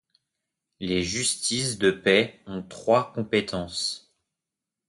Les justices de paix ont trois compétences.